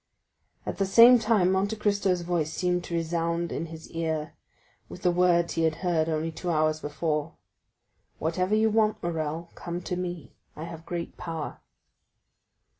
At the same time Monte Cristo's voice seemed to resound in his ear with the words he had heard only two hours before, "Whatever you want, Morrel, come to me; I have great power."